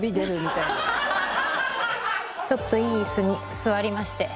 ちょっといいイスに座りまして。